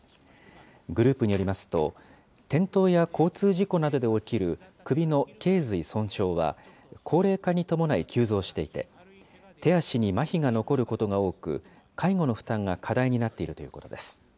グループによりますと、転倒や交通事故などで起きる首のけい髄損傷は、高齢化に伴い急増していて、手足にまひが残ることが多く、介護の負担が課題になっているということです。